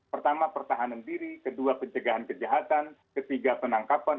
pertama pertahanan diri kedua pencegahan kejahatan ketiga penangkapan